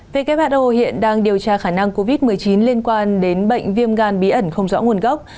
who hiện đang điều tra khả năng covid một mươi chín liên quan đến bệnh viêm gan bí ẩn không rõ nguồn gốc